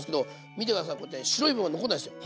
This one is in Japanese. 見て下さいこうやって白い部分が残んないんすよ。